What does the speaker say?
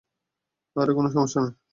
আরে, কোন সমস্যা নেই।